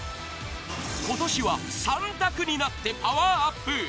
今年は３択になってパワーアップ！